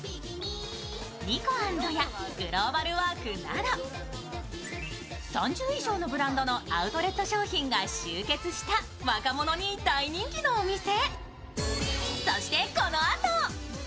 ニコアンドやグローバルワークなど３０以上のブランドのアウトレット商品が集結した若者に大人気のお店。